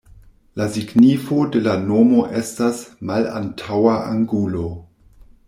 La signifo de la nomo estas "malantaŭa angulo".